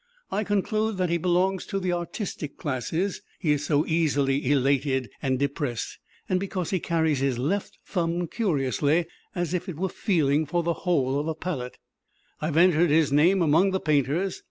I conclude that he belongs to the artistic classes, he is so easily elated and depressed; and because he carries his left thumb curiously, as if it were feeling for the hole of a palette, I have entered his name among the painters.